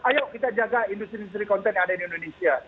ayo kita jaga industri industri konten yang ada di indonesia